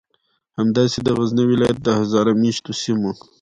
همداسې د غزنی ولایت د هزاره میشتو سیمو